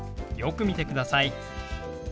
よく見てください。